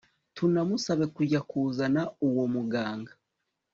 tunamusabe kujya kuzana uwo muganga